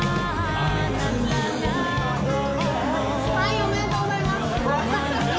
退院おめでとうございます！